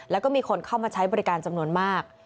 แล้วก็มีคนเข้ามาใช้บริการจำนวนมาก